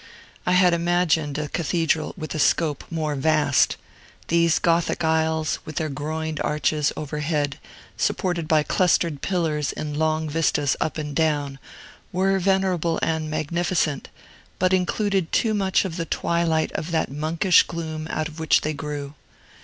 I had imagined a cathedral with a scope more vast. These Gothic aisles, with their groined arches overhead, supported by clustered pillars in long vistas up and down, were venerable and magnificent, but included too much of the twilight of that monkish gloom out of which they grew.